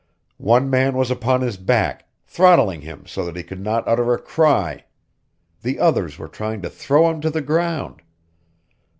One man was upon his back, throttling him so that he could not utter a cry. The others were trying to throw him to the ground.